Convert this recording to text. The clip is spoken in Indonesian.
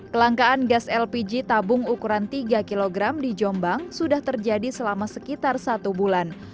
kelangkaan gas lpg tabung ukuran tiga kg di jombang sudah terjadi selama sekitar satu bulan